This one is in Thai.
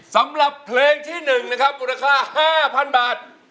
สำหรับเพลงที่๑นะครับมูลค่า๕๐๐๐บาท